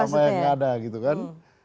kerjasama yang gak ada gitu kan